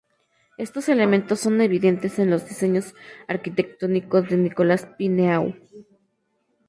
Estos elementos son evidentes en los diseños arquitectónicos de Nicolas Pineau.